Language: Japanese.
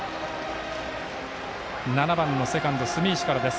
７番のセカンド、住石からです。